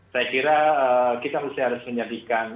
saya kira kita harus menyediakan